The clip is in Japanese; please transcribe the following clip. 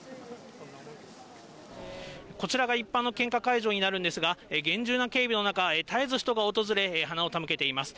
こちらが一般の献花会場になるんですが、厳重な警備の中、絶えず人が訪れ、花を手向けています。